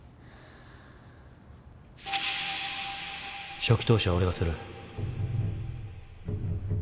初期投資は俺がする。